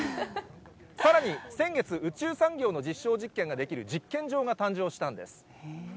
さらに先月、宇宙産業の実証実験ができる実験場が誕生したんです。